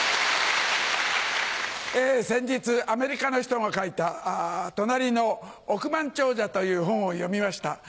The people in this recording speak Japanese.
先日アメリカの人が書いた『となりの億万長者』という本を読みました。